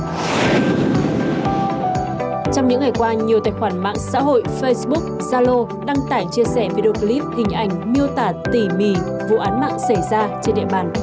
trong những ngày qua nhiều tài khoản mạng xã hội facebook zalo đăng tải chia sẻ video clip hình ảnh miêu tả tỉ mỉ vụ án mạng xảy ra trên địa bàn